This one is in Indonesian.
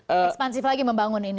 expansif lagi membangun ini